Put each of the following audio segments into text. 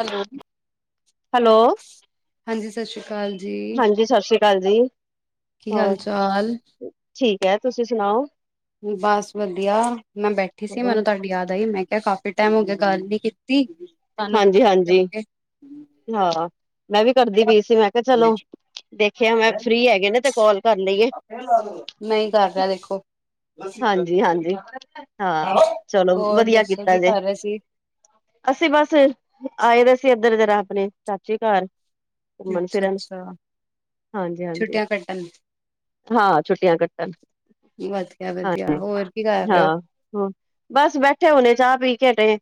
Hello hello ਹਾਂਜੀ ਸਤਿ ਸ਼੍ਰੀ ਅਕਾਲ ਜੀ, ਹਾਂਜੀ, ਸਤਿ ਸ੍ਰੀ ਅਕਾਲ ਜੀ। ਕੀ ਹਾਲ ਹੋਰ ਚਾਲ? ਠੀਕ ਹੈ, ਤੁਸੀਂ ਸੁਣਾਓ ਬਸ ਵਧੀਆ, ਮੈਂ ਬੈਠੀ ਸੀ, ਮੈਨੂੰ ਤੁਹਾਡੀ ਯਾਦ ਆਈ ਮੈਂ ਕਿਹਾ ਕਾਫੀ ਟਾਈਮ ਹੋ ਗਿਆ, ਗੱਲ ਨੀ ਕੀਤੀ ਹਾਂਜੀ-ਹਾਂਜੀ, ਹਾਂ, ਮੈਂ ਵੀ ਕਰਦੀ ਪਈ ਸੀ, ਮੈਂ ਕਿਹਾ ਚਲੋ ਦੇਖਿਆ ਮੈਂ, ਫਰੀ ਹੈਗੇ ਨੇ ਤੇ ਕੋਲ ਕਰ ਲਈਏ ਮੈਂ ਹੀ ਕਰ ਰਿਹਾ ਦੇਖੋ ਹਾਂਜੀ-ਹਾਂਜੀ ਹਾਂ, ਚਲੋ ਹੋਰ ਵਧੀਆ ਦੱਸੋ ਕੀਤਾ ਕੀ ਜੇ ਕਰ ਰਹੇ ਸੀ? ਅਸੀਂ ਬਸ, ਆਏ ਦੇ ਸੀ ਇੱਧਰ ਜਰਾ ਆਪਣੀ, ਚਾਚੀ ਘਰ ਘੁੰਮਣ ਅੱਛਾ, ਫਿਰਨ, ਅੱਛਾ ਹਾਂਜੀ-ਹਾਂਜੀ ਛੁੱਟੀਆਂ ਕੱਟਣ ਹਾਂ ਛੁੱਟੀਆਂ ਕੱਟਣ। ਹਾਂ, ਵਧੀਆ-ਵਧੀਆ ਹੋਰ ਕੀ ਕਰ ਰਹੇ ਹਾਂ ਹੋ ਬਸ ਬੈਠੇ ਹੁਣੇ ਚਾਹ ਪੀ ਕੇ ਹਟੇ,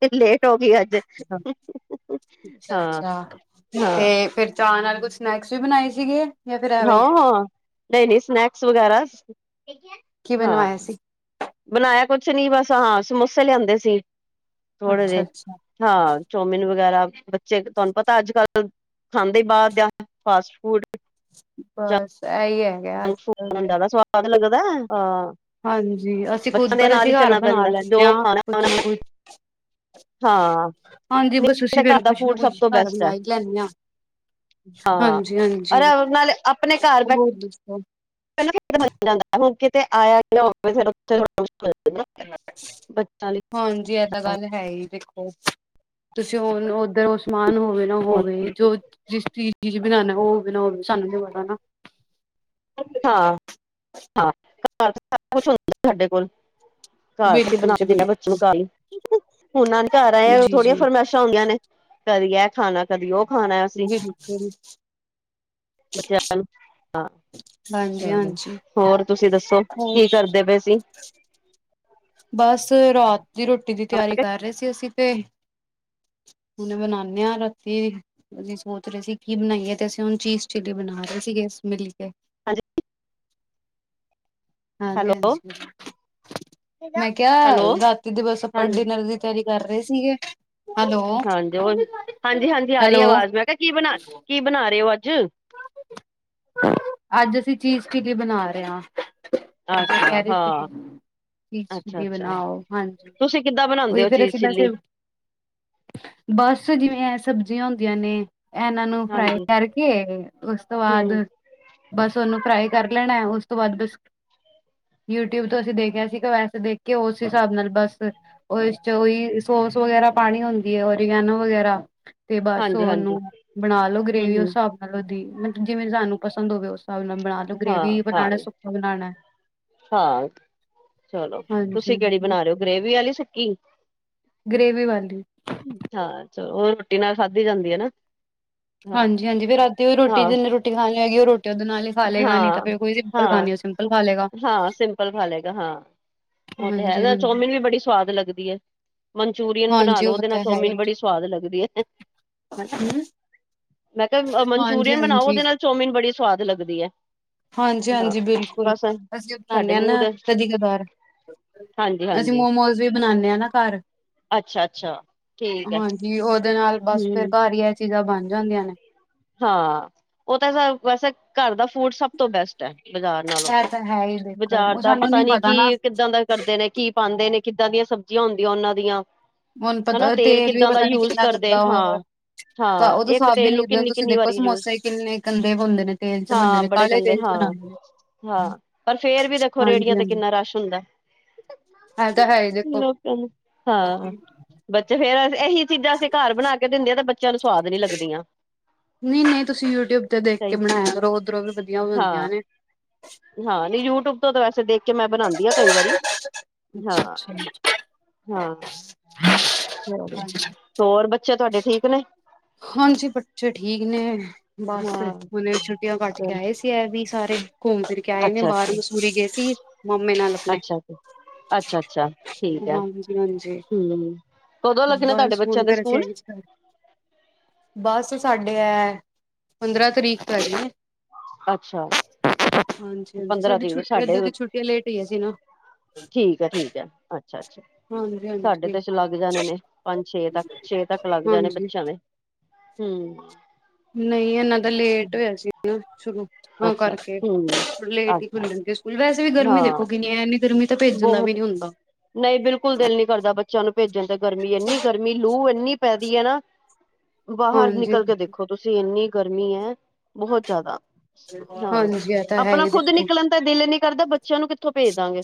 ਤੇ ਲੇਟ ਹੋ ਗਈ ਅੱਜ। ਅੱਛਾ, ਹਾਂ-ਹਾਂ ਅੱਛਾ ਤੇ ਫਿਰ ਚਾਹ ਨਾਲ ਕੁੱਝ ਸਨੈਕਸ ਵੀ ਬਣਾਏ ਸੀਗੇ ਜਾਂ ਫਿਰ ਐਵੇਂ ਹੀ? ਹਾਂ-ਹਾਂ, ਨਹੀਂ-ਨਹੀਂ ਸਨੈਕਸ ਵਗੈਰਾ, ਕੀ ਹਾਂ। ਬਣਵਾਇਆ ਸੀ? ਬਣਾਇਆ ਕੁਛ ਨੀ, ਬਸ ਹਾਂ ਸਮੋਸੇ ਲਿਆਂਦੇ ਸੀ, ਥੋੜੇ ਜਿਹੇ ਅੱਛਾ-ਅੱਛਾ ਹਾਂ, ਚੋਮਿਨ ਵਗੈਰਾ, ਬੱਚੇ ਤੁਹਾਨੂੰ ਪਤਾ ਅੱਜ- ਕੱਲ ਖਾਂਦੇ ਬਾਹਰ ਦਾ, ਫਾਸਟ- ਫੂਡ ਬਸ ਇਹੀ ਹੈਗਾ ਅੱਜ-ਕੱਲ ਤੇ। ਹੁੰਦਾ, ਤਾਂ ਸਵਾਦ ਲੱਗਦਾ, ਹਾਂ ਹਾਂਜੀ, ਅਸੀਂ ਖੁਦ ਬੱਚਿਆਂ ਦੇ ਪਰ ਨਾਲ ਅਸੀਂ ਹੀ ਘਰ ਚੱਲਣਾ ਬਣਾ ਪੈਂਦਾ ਲੈਂਦੇ ਜੋ ਹਾਂ, ਕੁਛ ਖਾਣਾ ਨਾ ਕੁਛ ਹਾਂ। ਹਾਂਜੀ ਬਸ, ਅਸੀਂ ਫੇਰ ਘਰ ਦਾ ਕੁੱਝ ਨਾ ਫੂਡ ਕੁੱਝ ਸਭ ਤੋਂ ਘਰ ਬੈਸਟ ਹੈ ਬਣਾ ਹੀ ਲੈਂਦੇ ਹਾਂ ਹਾਂ ਹਾਂਜੀ, ਹਾਂਜੀ। ਅਰੇ ਨਾਲੇ ਹੋਰ ਦੱਸੋ? ਪਹਿਲਾਂ ਕਿਦੇ ਨਾਲ ਜਾਂਦਾ [unintelligible] ਹੁਣ ਕਿਤੇ ਆਇਆ ਗਇਆ ਹੋਵੇ ਫੇਰ [unintelligible] ਪਤਾ ਨੀ ਹਾਂਜੀ ਇਹ ਤਾਂ [unintelligible] ਗੱਲ ਹੈ ਹੀ ਦੇਖੋ, ਤੁਸੀਂ ਹੁਨ ਉੱਧਰ ਓ ਸਮਾਨ ਹੋ ਹੋਵੇ ਨਾ ਹੋਵੇ ਜੋ ਜਿਸ ਚੀਜ਼ ਬਣਾਉਣਾ ਹੋਵੇ ਨਾ ਹੋਵੇ ਸਾਨੂੰ ਨੀ ਪਤਾ ਨਾ। ਹਾਂ। ਹਾਂ, ਘਰ ਸਾਰਾ ਕੁਛ ਹੁੰਦਾ ਸਾਡੇ ਕੋਲ। ਘਰ ਤੇ ਬਿਲਕੁਲ ਬਣਾ ਕੇ ਜੀ ਦਿੰਨਾ ਬੱਚੇ ਬਿਲਕੁਲ ਨੂੰ [unintelligible] ਲਈ ਉਹਨਾਂ ਨੇ ਘਰ ਆਏ ਜੀ ਥੋੜੀਆਂ ਜੀ ਫਰਮੈਸ਼। ਮੇਸ਼ਾ ਹੁੰਦੀਆਂ ਨੇ ਕਦੀ ਇਹ ਖਾਣਾ, ਕਦੀ ਉਹ ਖਾਣਾ ਅਸੀਂ। ਫਿਰ [unintelligible] ਬੱਚੇ [unintelligible] ਹੇਲੋ, ਹਾਂ ਹਾਂਜੀ ਚਲੋ ਹਾਂਜੀ ਹੋਰ ਤੁਸੀਂ ਦੱਸੋ ਹੋਰ ਕੀ ਕਰਦੇ ਪਏ ਸੀ? ਬਸ, ਰਾਤ ਦੀ ਰੋਟੀ ਦੀ ਤਿਆਰੀ ਕਰ ਰਹੇ ਸੀ ਅਸੀਂ ਤੇ। ਹੁਨ ਬਨਾਨੇ ਆ ਰਾਤੀ ਅਸੀਂ ਸੋਚ ਰਹੇ ਸੀ ਕੀ ਬਣਾਈਏ ਤੇ ਅਸੀਂ ਹੁਣ ਚੀਜ਼ ਚਿੱਲੀ ਬਣਾ ਰਹੇ ਸੀ ਗੇ ਮਿਲ ਕੇ। ਹਾਂਜੀ ਹਾਂਜੀ, ਹੈਲੋ ਹਾਂਜੀ ਮੈਂ ਕਿਹਾ ਹੈਲੋ ਰਾਤੀ ਦੇ ਬਸ ਆਪਾਂ ਹਾਂਜੀ ਡਿਨਰ ਦੀ ਤਿਆਰੀ ਕਰ ਰਹੇ ਸੀ ਗੇ। ਹਾਂਜੀ ਹੋਰ, ਹਾਂਜੀ, ਹਾਂਜੀ ਆ ਰਹੀ ਹੈਲੋ ਆਵਾਜ਼ ਮੈਂ ਕਿਹਾ ਕੀ ਬਣਾ ਕੀ ਬਣਾ ਰਹੇ ਹੋ ਅੱਜ? ਅੱਜ ਅਸੀਂ ਚੀਜ਼ ਚਿਲੀ ਬਣਾ ਰਹੇ ਹਾਂ ਬੱਚੇ ਅੱਛਾ ਕਹਿ ਰਹੇ ਸੀ ਗੇ। ਹਾਂ ਚੀਜ਼ ਅੱਛਾ ਚਿੱਲੀ ਅੱਛਾ ਬਣਾਓ ਹਾਂਜੀ ਤੁਸੀਂ ਕਿੱਦਾਂ ਬਣਾਉਂਦੇ ਉਹੀ ਹੋ ਫੇਰ ਚੀਜ਼ ਅਸੀਂ ਵੈਸੇ ਚਿੱਲੀ ਬਸ, ਜਿਵੇਂ ਇਹ ਸਬਜ਼ੀਆਂ ਹੁੰਦੀਆਂ ਨੇ। ਇਹਨਾਂ ਨੂੰ ਫਰਾਈ ਹਾਂਜੀ ਕਰ ਕੇ ਉਸ ਤੋਂ ਬਾਦ ਹਮ ਬਸ ਉਹਨੂੰ ਫਰਾਈ ਕਰ ਲੈਣਾ ਉਸ ਤੋਂ ਬਾਅਦ ਬਿਸ ਯੂਟਿਊਬ ਤੋਂ ਅਸੀਂ ਦੇਖਿਆ ਸੀ ਗਾ ਵੈਸੇ ਦੇਖ ਕੇ ਉਸ ਹਿਸਾਬ ਨਾਲ ਬਸ। ਉਹ ਚ ਉਹੀ ਸੋਸ ਵਗੈਰਾ ਪਾਉਣੀ ਹੁੰਦੀ ਹੈ, ਓਰੀਗੈਨਾ ਵਗੈਰਾ। ਤੇ ਬਸ ਹਾਂਜੀ ਹਾਂਜੀ ਉਹਨੂੰ ਬਣਾ ਲਓ ਹਮ ਗ੍ਰੇਵੀ ਉਸ ਹਿਸਾਬ ਨਾਲ ਉਹਦੀ ਮਤਲਬ ਜਿਵੇਂ ਸਾਨੂੰ ਪਸੰਦ ਹੋਵੇ ਉਸ ਹਿਸਾਬ ਨਾਲ। ਬਣਾ ਲੋ ਹਮ ਹਾਂ ਗ੍ਰੇਵੀ ਹਾਂ ਬਣਾਉਣਾ, ਸੁੱਕਾ ਬਣਾਉਣਾ। ਹਾਂ ਚਲੋ, ਤੁਸੀਂ ਕਿਹੜੀ ਬਣਾ ਰਹੇ ਹੋ ਗ੍ਰੇਵੀ ਆਲੀ ਸੁੱਕੀ? ਗ੍ਰੇਵੀ ਵਾਲੀ। ਹਾਂ, ਚ ਉਹ ਰੋਟੀ ਨਾਲ ਖਾਧੀ ਜਾਂਦੀ ਹੈ ਨਾ। ਹਾਂ ਹਾਂਜੀ, ਹਾਂਜੀ ਫਿਰ ਰਾਤੀ ਓਈ ਰੋਟੀ ਹਾਂ ਜਿੰਨੇ ਰੋਟੀ ਖਾਉਣੀ ਹੈਗੀ ਉਹ ਰੋਟੀ ਉਹਦੇ ਨਾਲ ਹੀ ਖਾ ਲਏਗਾ ਨਹੀਂ ਤਾਂ ਹਾਂ, ਫਿਰ ਕੋਈ ਸਿੰਪਲ ਹਾਂ, ਖਾਣੀ ਉਹ ਸਿੰਪਲ ਖਾ ਲਏਗਾ ਹਾਂ ਸਿੰਪਲ ਖਾ ਲੇ ਗਾ ਹਾਂ। ਉਹ ਤੇ ਹੈ ਹਾਂਜੀ ਇਦੇ ਨਾ ਹਾਂਜੀ ਚੌਮਿਨ ਵੀ ਬੜੀ ਸਵਾਦ ਲਗਦੀ ਏ। ਮਨਚੂਰੀਅਨ ਬਣਾ ਹਾਂਜੀ ਲੋ ਉਹ ਉਹਦੇ ਨਾਲ ਤਾਂ ਹੈ ਚਓਮੀਨ ਹੀ ਬੜੀ ਸਵਾਦ ਲੱਗਦੀ ਹੈ। ਹਨਾ ਹਮ [unintelligible] ਮੈਂ ਕਿਹਾਂ ਹਾਂਜੀ ਮਨਚੂਰੀਅਨ ਬਣਾਓ, ਹਾਂਜੀ ਉਹਦੇ ਨਾਲ ਚੋਮਮੀਨ ਬੜੀ ਸਵਾਦ ਲੱਗਦ ਹਾਂਜੀ, ਹਾਂਜੀ ਬਿਲਕੁਲ ਬਸ ਅਸੀਂ ਅ ਬਣਾਉਂਦੇ ਸਾਡੇ ਹਾਂ ਮੂੰਹ ਨਾ ਦਾ ਕਦੀ ਕਦਾਰ। ਹਾਂਜੀ ਅਸੀਂ ਹਾਂਜੀ ਮੋਮੋਸ ਵੀ ਬਣਾਉਦੇ ਹਾਂ ਨਾ ਘਰ। ਅੱਛਾ ਅੱਛਾ ਠੀਕ ਹੈ ਹਾਂਜੀ ਉਹਦੇ ਨਾਲ ਬਸ ਫੇਰ ਹਮ ਘਰ ਹੀ ਇਹ ਚੀਜ਼ਾਂ ਬਣ ਜਾਂਦੀਆਂ ਨੇ। ਹਾਂ', ਉਹ ਤਾਂ ਵੈਸੇ ਘਰ ਦਾ ਫੂਡ ਸਭ ਤੋਂ ਬੈਸਟ। ਬਾਜ਼ਾਰ ਨਾਲੋਂ ਤੇ, ਇਹ ਤਾਂ ਹੈ ਹੀ ਦੇਖੋ ਬਾਜ਼ਾਰ ਉਹ ਦਾ ਸਾਨੂੰ ਪਤਾ ਨੀ ਨਾ ਕੀ ਕਿੱਦਾਂ ਦਾ? ਕਰਦੇ ਨੇ, ਕੀ ਪਾਉਂਦੇ ਨੇ, ਕਿੱਦਾਂ ਦੀਆਂ ਸਬਜ਼ੀਆਂ ਹੁੰਦੀਆਂ ਉਹਨਾਂ ਦੀਆਂ। ਹੁਣ ਹਨਾ ਪਤਾ ਤੇਲ ਵੀ ਕਿੱਦਾਂ ਦਾ ਪਤਾ ਨੀ ਯੂਜ ਕਿੰਨਾ ਕਰਦੇ ਗੰਦਾ ਹਾਂ ਹੋਗਾ ਤਾਂ ਹਾਂ ਉਹਦੇ ਇੱਕ ਹਿਸਾਬ ਵੀ ਤੇਲ ਨੂੰ ਨ ਕਿੰਨੀ ਤੁਸੀਂ ਕਿੰਨੀ ਦੇਖੋ ਵਾਰੀ ਯੂਜ ਸਮੋਸੇ ਕਿੰਨੇ ਗੰਦੇੇ ਬੁਨਦੇ ਨੇ ਤੇਲ ਚ ਬਣਦੇ ਹਾਂ ਨੇ ਬੜੇ ਕਾਲੇ ਗੰਦੇ ਤੇਲ ਚ ਹਾਂ ਬਣਾ ਹਾਂ, ਪਰ ਫੇਰ ਵੀ ਦੇਖੋ ਰੇਹੜੀਆਂ ਤੇ ਹਾਂਜੀ ਕਿੰਨਾ ਰਸ਼ ਹੁੰਦਾ ਹੈ। ਇਹ ਤਾਂ ਹੈ ਹੀ ਦੇਖੋ ਲੋਕਾਂ ਨੂੰ ਹਾਂ। ਬੱਚੇ ਫੇਰ ਇਹੀ ਚੀਜ਼ਾਂ ਅਸੀਂ ਘਰ ਬਣਾ ਕੇ ਦਿੰਦੇ ਆ ਤੇ ਬੱਚਿਆਂ ਨੂੰ ਸਵਾਦ ਨੀ ਲੱਗਦੀਆਂ। ਨਹੀਂ ਨਹੀਂ, ਤੁਸੀਂ ਯੂਟਿਊਬ ਤੇ ਦੇਖ ਕੇ ਸਹੀ ਬਣਾਇਆ ਕਰੋ ਉਧਰੋ ਵੀ ਵਧੀਆ ਬਣਦੀਆਂ ਹਾਂ ਨੇ। ਹਾਂ, ਨਹੀਂ ਯੂਟਿਊਬ ਤੋਂ ਤਾਂ ਵੈਸੇ ਦੇਖ ਕੇ ਮੈਂ ਬਣਾਉਂਦੀ ਹਾਂ ਕਈ ਵਾਰੀ ਹਾਂ। ਅੱਛਾ ਅੱਛਾ ਹਾਂ, ਚਲੋ ਹਾਂਜੀ ਹੋਰ ਬੱਚੇ ਤੁਹਾਡੇ ਠੀਕ ਨੇ? ਹਾਂਜੀ ਬੱਚੇ ਠੀਕ ਨੇ, ਬਸ ਹਾਂ ਉਹਨੇ ਛੁੱਟੀਆਂ ਕੱਟ ਕੇ ਚਲੋ ਆਏ ਸੀ। ਵੀ ਸਾਰੇ ਘੁੰਮ ਫਿਰ ਕੇ ਆਏ ਨੇ ਅੱਛਾ ਅੱਛਾ ਬਾਹਰ ਅੱਛਾ ਮਸੂਰੀ ਗਏ ਸੀ, ਮਾਮੇ ਨਾਲ ਆਪਣੇ। ਅੱਛਾ ਅੱਛਾ ਅੱਛਾ ਠੀਕ ਹੈ ਹਾਂਜੀ -ਹਾਂਜੀ। ਹਮ ਕਦੋਂ ਲੱਗਣੇ ਤੁਹਾਡੇ ਬਸ ਬੱਚਿਆਂ ਹੁਣ ਦੇ ਫੇਰ ਕੇ ਸਕੂਲ ਆਏ ਅਸੀਂ। ਹਾਂ। ਬਸ ਸਾਡੇ ਹੈ, ਪੰਦਰਾਂ ਤਰੀਕ ਤੋਂ ਹੈ ਹੈ। ਅੱਛਾ। ਹਾਂਜੀ-ਹਾਂਜੀ। ਪੰਦਰਾਂ ਸਾਡੀ ਤਰੀਕ ਛੁ ਤੋਂ ਸਾਡੇ ਏਦਾਂ ਦੀ ਛੁੱਟੀਆਂ ਲੇਟ ਹੋਈਆਂ ਸੀ ਨਾ। ਠੀਕ ਹੈ, ਠੀਕ ਹੈ। ਅੱਛਾ- ਅੱਛਾ। ਹਾਂਜੀ -ਹਾਂਜੀ। ਸਾਡੇ ਤੇ ਚਲੱਗ ਜਾਣੇਂ ਨੇ, ਪੰਜ- ਛੇ ਤੱਕ ਛੇ ਤੱਕ ਲੱਗ ਜਾਣੇ ਹਾਂਜੀ ਬੱਚਿਆਂ ਦੇ। ਹੂ ਨਹੀਂ, ਇਹਨਾਂ ਦਾ ਲੇਟ ਹੋਇਆ ਸੀ ਸ਼ੁਰੂ, ਅੱਛਾ ਕਰਕੇ ਹਮ ਓਨਾ ਲੇਟ ਹੀ ਅੱਛਾ ਖੁੱਲਣਗੇ। ਕੁ ਵੈਸੇ ਵੀ ਗਰਮੀ ਹਾਂ ਦੇਖੋ ਕਿਨੀ, ਇਨੀ ਗਰਮੀ ਤਾਂ ਭੇਜ ਦਦਾ ਵੀ ਬਹੁਤ ਨੀ ਹੁੰਦਾ। ਨਹੀਂ ਬਿਲਕੁਲ ਦਿਲ ਨੀ ਕਰਦਾ ਬੱਚਿਆਂ ਨੂੰ ਭੇਜਣ ਤੇ ਗਰਮੀ ਇੰਨੀ ਗਰਮੀ ਲੂ ਇੰਨੀ ਪੈਦੀ ਹੈ ਨਾ। ਬਾਹਰ ਹਾਂਜੀ ਨਿਕਲ ਕੇ ਦੇਖੋ ਤੁਸੀਂ ਇੰਨੀ ਗਰਮੀ ਹੈ ਬਹੁਤ ਜ਼ਿਆਦਾ। ਹਾਂ। ਹਾਂਜੀ ਇਹ ਤਾਂ ਹੈ ਆਪਣਾ ਹੀ ਖੁੱਦ ਦੇਖੋ ਨਿਕਲਣ ਦਾ ਦਿਲ ਨੀ ਕਰਦਾ ਬੱਚਿਆਂ ਨੂੰ ਕਿੱਥੋਂ ਭੇਜ ਦਾਂਗੇ।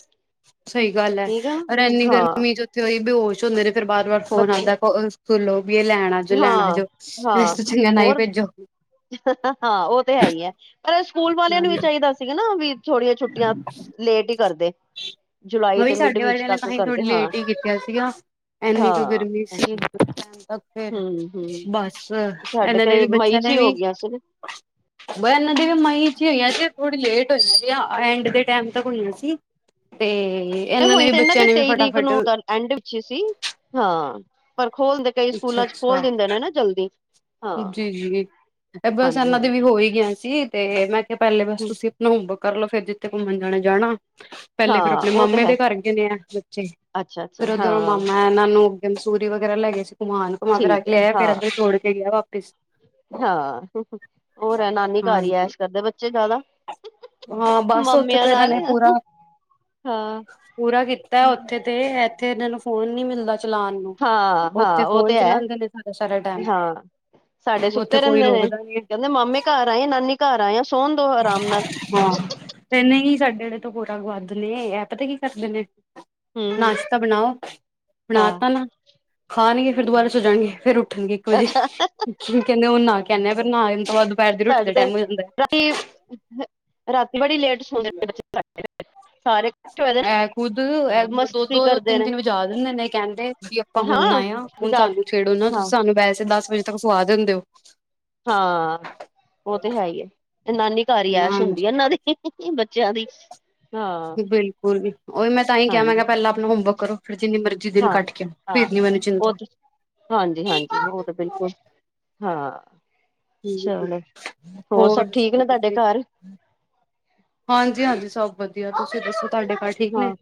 ਸਹੀ ਗੱਲ ਹੈ। ਠੀਕ ਆ ਔਰ ਨਾ ਇੰਨੀ ਹਾਂ ਗਰਮੀ 'ਚ ਤੇਹੀ ਬੇਹਸ਼ ਹੁੰਦੇ ਨੇ, ਫੇਰ ਬਾਰ- ਵਾਰ ਫੋਨ ਬੱਚੇ ਆਉਂਦਾ ਸੁਕੁਲੋ ਵੀ ਇਹ ਲੈਣਾ। ਜੋ ਲੈਣਾ ਆ ਹਾਂ ਜਾ, ਹਾਂ ਵਸ ਚੰਗਾ ਨਾ ਹੀ ਹੋਰ ਭੇਜੋ। ਹਾਂ। ਉਹ ਤੇ ਹੈ ਹੀ ਹੈ। ਪਰ ਸਕੂਲ ਵਾਲਿਆਂ ਨੂੰ ਵੀ ਮੈਂ ਚਾਹੀਦਾ ਸੀਗਾ ਨਾ, ਵੀ ਥੋੜੀਆਂ ਛੁੱਟੀਆਂ ਲੇਟ ਹੀ ਕਰਦੇ। ਜੁਲਾਈ ਮ ਵੀ ਦੇ ਮਿਡ ਸਾਡੇ ਵਿੱਚ ਵਾਲਿਆਂ ਨੇ ਤੱਕ ਤਾਂਸੀ ਥੋੜੀ ਕਰਦੇ ਹਾਂ ਲੇਟ ਹੀ ਕੀਤਾ ਸੀਗਾ। ਇੰਨੀ ਕੁ ਹਾਂ ਗਰਮੀ ਅੱਛਾ ਸੀ। ਤੱਕ ਫਿਰ ਹਮ ਹਮ ਬਸ, ਸਾਡੇ ਇਹਨਾਂ ਨੇ ਤੇ ਵੀ ਮਈ ਬੱਚਿਆਂ ਚ ਨੇ ਹੀ ਹੋ ਵੀ ਗਈਆਂ ਸੀ ਬਿਆਸ ਨਦੀ ਵੀ ਮ ਨਹੀਂ ਹੋਈਆਂ ਸੀ ਥੋੜੀ ਲੇਟ ਹੋਈ ਸੀ ਐਂਡ ਦੇ ਟਾਈਮ ਤੱਕ ਹੋਈਆਂ ਸੀ। ਤੇ ਇਹਨਾਂ ਹੋਈ ਨੇ ਵੀ ਤੇ ਬੱਚਿਆਂ ਦੇ ਨੇ ਵੀ ਤੇਈ ਤਰੀਕ ਫਟਾਫਟ ਨੂੰ ਐਂਡ ਵਿੱਚ ਸੀ। ਹਾਂ, ਪਰ ਖੋਲਦੇ ਕਈ ਅੱਛਾ ਸਕੂਲਾਂ ਵਿੱਚ ਖੋਲ ਅੱਛਾ ਦਿੰਦੇ ਨੇ ਨਾ ਜਲਦੀ। ਹਾਂ। ਜੀ ਜੀ ਬਸ' ਹਾਂਜੀ ਇਹਨਾਂ ਦੇ ਵੀ ਹਾਂਜੀ ਹੋ ਹੀ ਗਿਆ ਸੀ। ਤੇ ਮੈਂ ਕਿਹਾ, ਪਹਿਲੇ ਬਸ ਤੁਸੀਂ ਆਪਣਾ ਕਰ ਲੋ, ਫਿਰ ਜਿੱਥੇ ਘੁੰਮਣ ਜਾਣਾ ਜਾਣਾ। ਪਹਿਲੇ ਫੇਰ ਹਾਂ ਆਪਣੇ ਉਹ ਤੇ ਮਾਮੇ ਹੈ ਦੇ ਘਰ ਗਏ ਨੇ ਆ, ਬੱਚੇ ਅੱਛਾ-ਅੱਛਾ ਫਰ ਉਧਰ ਮਾਮਾ ਹਾਂ ਮ ਇਹਾਨ ਨੂੰ ਅੱਗੇ ਮਸੂਰੀ ਵਗੈਰਾ ਲੈ ਗ ਸੀ ਘੁੰਮਾਨ, ਘੁੰਮਾ ਫ ਆ ਠੀਕ ਕੇ ਹੈ ਲਇਆ ਫਿਰ ਹਾਂ ਇੱਧਰ ਜੋਛੋੜ ਕੇ ਗਿਆ ਵਾਪਿਸ। ਹਾਂ। ਹੋਰ ਹੈ ਨਾਨੀ ਘਰ ਹੀ ਹੈ ਹਾਂਜੀ ਇਸ਼ ਕਰਦੇ ਬੱਚੇ ਜਿਆਦਾ। ਹਾਂ, ਬਸ ਉੱਥੇ ਤਾਂ ਇਹਨਾਂ ਨੇ ਪੂਰਾ ਹਾਂ ਪੂਰਾ ਕੀਤਾ ਉੱਥੇ ਤੇ, ਇੱਥੇ ਇਹਨਾਂ ਨੂੰ ਫੋਨ ਨੀ ਮਿਲਦਾ ਚਲਾਉਣ ਨੂੰ। ਉੱਥੇ ਹਾਂ-ਹਾਂ ਉਹ ਫ਼ੋਨ ਤੇ ਹੈ ਚਲਾਉਂਦੇ ਨੇ ਸਾਰਾ- ਸਾਰਾ ਹਾਂ ਟਾਈਮ। ਉੱਥੇ ਕੋਈ ਰੋਕਦਾ ਨੀ ਹੈ। ਕਿੰਦੇ ਮਾਮੇ ਘਰ ਆਏ ਆ, ਨਾਨੀ ਘਰ ਆਏ ਆ, ਸੋਣ ਦੋ ਆਰਾਮ ਨਾਲ। ਹਾਂ ਨਹੀਂ ਹੀ ਸਾਡੇ ਜੜੇ ਤੋਂ ਗੋਰਾ ਗੁਆਧ ਨੇ, ਇਹ ਪਤਾ ਕੀ ਕਰਦੇ ਨੇ। ਹੂੰ ਨਾਸ਼ਤਾ ਬਣਾਓ, ਬਣਾ ਹਾਂ ਤਾ ਨਾ, ਖਾਣਗੇ, ਫਿਰ ਦੁਬਾਰਾ ਸ ਜਾਣਗੇ ਫਿਰ ਰ ਉੱਠਣਗੇ ਇੱਕ ਵਜੇ। ਅੱਛਾ ਕਹਿੰਦੇ ਹ ਨਾ ਕ ਆਂਦੇ ਨਾ ਆਣ ਤੋਂ ਬਾਅਦ ਦੁਪਹਿਰ ਦੀ ਰੋਟੀ ਸਾਡ ਦਾ ਟਾਈਮ ਹੋ ਜਾਂਦਾ ਰਾਤੀ- ਰਾਤੀ ਬੜੀ ਲੇਟ ਸੋਂਦੇ। [unintelligible] ਇਹ ਖੁੱਦ ਦੋ ਮਸਤੀ -ਦੋ, ਕਰਦੇ ਤਿੰਨ- ਨੇ ਤਿੰਨ ਵਜਾ ਦਿੰਦੇ ਨੇ ਕਹਿੰਦੇ ਵੀ ਆਪਾਂ ਹਾਂ ਹੁਣ ਆਏ ਆ। ਹੁਣ ਮਜ਼ਾਕ ਤੁਹਾਨੂੰ ਛੇੜੋ ਨਾ ਤੁਸੀਂ ਹਾਂ ਸਾਨੂੰ ਵੈਸੇ ਦਸ ਵਜੇ ਤੱਕ ਸਵਾ ਦਿੰਦੇ ਹੋ। ਹਾਂ, ਉਹ ਤੇ ਹੈ ਹੀ ਤੇ ਨਾਨੀ ਘਰ ਐਸ਼ ਹੁੰਦੀ ਹਾਂਜੀ ਇਹਨਾਂ ਦੇ। ਬੱਚਿਆਂ ਦੀ ਹਾਂ ਬਿਲਕੁਲ, ਵੀ ਉਹੀ ਮੈਂ ਤਾਂ ਹੀ ਕਿਹਾ ਮੈਂ ਹਾਂਜੀ ਕਿਹਾ ਪਹਿਲਾਂ ਆਪਣਾ ਹੋਮਵਰਕ ਕਰੋ, ਫਿਰ ਜਿੰਨੀ ਮਰਜ਼ੀ ਦਿਨ ਹਾਂ ਕੱਟ ਕੇ, ਹਾਂ ਫੇਰ ਨੀ ਮੈਨੂੰ ਉਹ ਚਿੰਤਾ ਤੇ ਹਾਂਜੀ ਹਾਂਜੀ ਉਹ ਤਾਂ ਬਿਲਕੁਲ। ਹਾਂ, ਚਲੋ ਹੋਰ ਸਭ ਠੀਕ ਨੇਂ ਤੁਹਾਡੇ ਘਰ? ਹਾਂਜੀ, ਹਾਂਜੀ, ਸਭ ਵਧੀਆ। ਤੁਸੀਂ ਦੱਸੋ ਤੁਹਾਡੇ ਘਰ ਠੀਕ ਨੇਂ। ਹਾਂ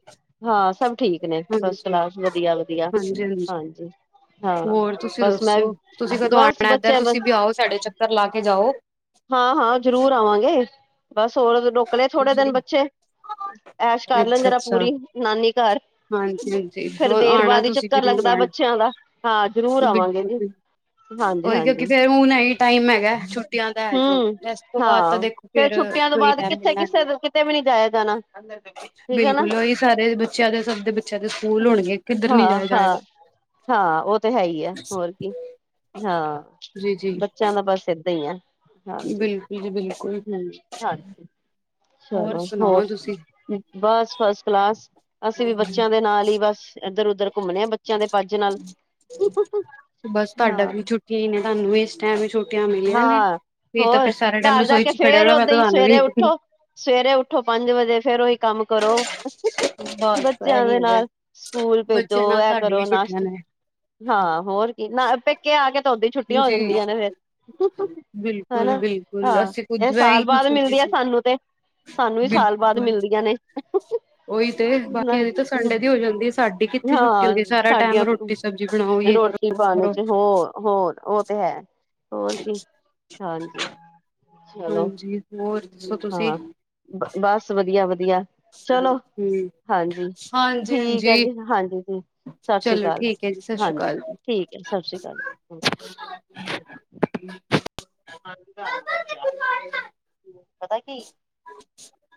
ਹਾਂ ਸਭ ਠੀਕ ਨੇਂ, ਫਸਟ ਕਲਾਸ, ਵਧੀਆ ਵਧੀਆ। ਹਾਂਜੀ-ਹਾਂਜੀ-ਹਾਂਜੀ ਹਾਂਜੀ। ਹਾਂ ਹੋਰ ਤੁਸੀਂ ਬਸ ਮੈਂ ਦੱਸੋ। ਤੁਸੀਂ ਕਦੋਂ ਬਸ ਆਣਾ ਇਧਰ? ਬੱਚੇ ਬ ਤੁਸੀਂ ਵੀ ਆਓ, ਸਾਡੇ ਚੱਕਰ ਲਾ ਕੇ ਜਾਓ। ਹਾਂ ਹਾਂ, ਜ਼ਰੂਰ ਆਵਾਂਗੇ। ਬਸ ਹੋਰ ਰੁਕਲੇ ਥੋੜੇ ਦਿਨ ਬੱਚੇ ਐਸ਼ ਕਰ ਲੈਣ ਅੱਛਾ ਜਰਾ ਅੱਛਾ ਪੂਰੀ ਨਾਨੀ ਘਰ। ਹਾਂਜੀ [unintelligible] ਹਾਂਜੀ ਫੇਰ ਦੇਰ ਆਣਾ ਬਾਅਦ ਹੀ ਤੁਸੀਂ ਚੱਕਰ ਜ਼ਰੂਰ ਲੱਗਦਾ ਬੱਚ ਆਣਾ ਬੱਚਿਆਂ ਦਾ। ਹਾਂ ਜ਼ਰੂਰ ਆਵਾਂਗੇ ਜੀ। ਬਿਲਕੁਲ ਹਾਂਜੀ ਉਹੀ ਕਿਉਂਕਿ ਹਾਂਜੀ ਫੇਰ ਹੁਣ ਐ ਹੀ ਟਾਈਮ ਹੈਗਾ ਛੁੱਟੀਆਂ। ਹੈਜੋ ਹੂੰ, ਇਸ ਤੋਂ ਬਾਅਦ ਤਾਂ ਹਾਂ ਦੇਖੋ ਫੇਰ ਛੁੱਟੀਆਂ ਤੋਂ ਕੋਈ ਬਾਅਦ ਟਾਈਮ ਕਿੱਥੇ ਮਿਲਣਾ ਨੀ ਕਿਸੇ ਹੈ ਕਿਤੇ ਵੀ ਨੀ ਜਾਇਆ ਜਾਣਾ। [unintelligible] ਠੀਕ ਐ ਨਾਂ। ਬਿਲਕੁਲ ਉਹੀ ਸਾਰੇ ਬੱਚਿਆਂ ਦੇ, ਸਭ ਦੇ ਬੱਚਿਆਂ ਦੇ ਸਕੂਲ ਹੋਣਗੇਂ ਕਿੱਧਰ ਨੀਂ ਹਾਂ ਜਾਇਆ ਹਾਂ ਜਾਏਗਾ। ਹਾਂ ਉਹ ਤੇ ਹੈ ਈ ਏ ਹੋਰ ਕੀ। ਹਾਂ ਜੀ ਜੀ ਬੱਚਿਆਂ ਦਾ ਬਸ ਏਦਾਂ ਹੀ ਐ। ਬਿਲਕੁਲ ਜੀ ਬਿਲਕੁਲ। ਹਂ, ਹਾਂਜੀ, ਚਲੋ ਹੋਰ ਸੁਣਾਓ ਤੁਸੀਂ [unintelligible] ਬਸ ਫਸਟ ਕਲਾਸ। ਅਸੀਂ ਵੀ ਬੱਚਿਆਂ ਦੇ ਨਾਲ ਈ ਬਸ। ਇਧਰ-ਉਧਰ ਘੁੰਮਣੇ ਆ ਬੱਚਿਆਂ ਦੇ ਪੱਜ ਨਾਲ। ਹਾਂ। ਕੀ ਮੈਂ ਤੁਹਾਨੂੰ ਇਸ ਟਾਈਮ ਸੁ਼ ਛੁੱਟੀਆਂ ਮਿਲੀਆਂ ਨੇ ਹਾਂ ਵੀ ਤਾਂ ਹੋਰ ਫਿਰ ਸਾਰੇ ਟਾਈਮ ਘਰ ਜਾ ਰਸੋਈ ਕੇ ਚ ਖੜਿਆ ਫੇਰ ਹੋਣਾ। ਓਦਾਂ ਹੀ ਮੈਂ [unintelligible] ਸਵੇਰੇ ਵੀ। ਉੱਠੋ ਸਵੇਰੇ ਉੱਠੋ ਪੰਜ ਵਜੇ ਫੇਰ ਉਹੀ ਕੰਮ ਕਰੋ [unintelligible] ਬਸ ਬੱਚਿਆਂ ਇਹੀ ਦੇ ਹੈਗਾ ਨਾਲ। ਸਕੂਲ ਬੱਚਿਆਂ ਭੇਜੋ, ਨਾਲ ਇਹ ਸਾਡੀ ਕਰੋ ਵੀ ਛੁੱਟੀਆਂ ਨਾਸ਼ਤੇ ਨੇ। ਹਾਂ ਹੋਰ ਇਨਾਂ ਪੇਕੇ ਆ ਕੇ ਤਾਂ ਉਦੀ ਛੁੱਟੀ ਹੋ ਜੀ ਜਾਂਦੀਆਂ ਨੇਂ ਫਿਰ। [unintelligible] ਬਿਲਕੁਲ ਹੈਨਾਂ? ਬਿਲਕੁਲ ਹਾਂ, ਅਸੀਂ ਖੁਦ ਇਹ ਮੈਂ ਹੀ ਸਾਲ ਕੁਝ ਬਾਅਦ ਸੋਚ ਰਹੀ ਮਿਲਦੀਆਂ ਸੀ ਸਾਨੂੰ ਤੇ। ਸਾਨੂੰ ਵੀ ਸਾਲ ਬਾਅਦ ਬਿਲਕੁਲ ਮਿਲਦੀਆਂ ਨੇਂ। [unintelligible] ਉਹੀ ਤੇ ਬਾਕੀਆਂ ਦੀ ਤਾਂ ਸੰਡੇ ਦੀ ਹੋ ਜਾਂਦੀ ਐ, ਸਾਡੀ ਕਿੱਥੇ ਛੁੱਟੀ ਹਾਂ ਹੁੰਦੀ ਸਾਰਾ ਟਾਈਮ ਸਾਡੀਆਂ ਰੋਟੀ ਸਬਜ਼ੀ ਬਣਾਓ, ਯੇ ਕਰੋ। ਰੋਟੀ ਉਹ ਪਾਣੀ ਕਰੋ ਚ ਹੋਰ ਹੋਰ, ਉਹ ਤੇ ਹੈ। ਹੋਰ ਕੀ? ਹਾਂਜੀ। ਚਲੋ ਹਾਂਜੀ, ਹੋਰ ਦੱਸੋ ਤੁਸੀਂ? ਹਾਂ ਬਸ ਵਧੀਆ ਵਧੀਆ ਚਲੋ, ਹੂੰ ਹਾਂਜੀ। ਹਾਂਜੀ ਠੀਕ ਐ ਹਾਂਜੀ ਜੀ, ਹਾਂਜੀ ਜੀ। ਸਤਿ ਸ਼੍ਰੀ ਚਲੋ ਅਕਾਲ, ਠੀਕ ਹੈ ਜੀ ਸਤਿ ਸ਼੍ਰੀ ਹਾਂਜੀ, ਅਕਾਲ ਠੀਕ ਹੈ, ਸਤਿ ਸ਼੍ਰੀ ਅਕਾਲ ਜੀ। [inaudible] ਪਤਾ ਕੀ? [unintelligible]